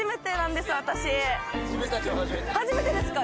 初めてですか？